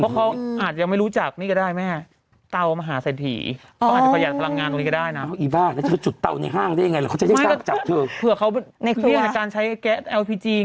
ก็เขาอาจจะไม่รู้จักนี่ก็ได้ไหมเม่